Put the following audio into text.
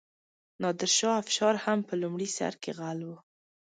نادرشاه افشار هم په لومړي سر کې غل و.